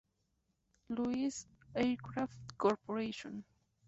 Louis Aircraft Corp.